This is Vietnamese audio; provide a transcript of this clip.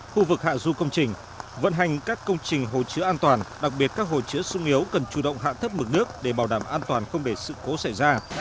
khu vực hạ du công trình vận hành các công trình hồ chứa an toàn đặc biệt các hồ chứa sung yếu cần chủ động hạ thấp mực nước để bảo đảm an toàn không để sự cố xảy ra